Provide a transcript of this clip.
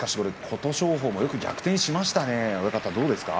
琴勝峰もよく逆転しましたね、どうですか。